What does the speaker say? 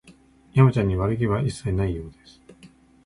山ちゃんに悪気は一切ないようです